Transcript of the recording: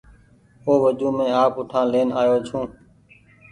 او وجون مينٚ آپ اُٺآن لين آئو ڇوٚنٚ